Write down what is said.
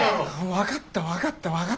分かった分かった分かった。